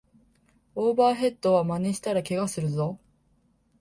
オーバーヘッドはまねしたらケガするぞ